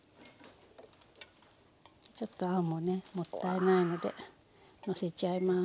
ちょっとあんもねもったいないのでのせちゃいます。